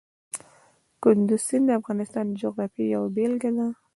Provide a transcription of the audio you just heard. کندز سیند د افغانستان د جغرافیې یوه بېلګه ده.